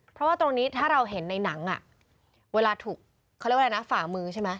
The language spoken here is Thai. เพราะว่าตรงนี้ถ้าเราเห็นในหนังเวลาถูกเขาเรียกว่าอะไรนะฝ่ามือใช่ไหม